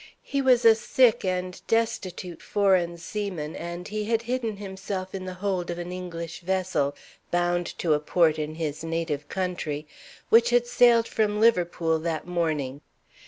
He was a sick and destitute foreign seaman, and he had hidden himself in the hold of an English vessel (bound to a port in his native country) which had sailed from Liverpool that morning.